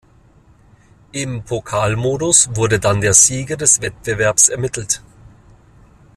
Im Pokalmodus wurde dann der Sieger des Wettbewerbs ermittelt.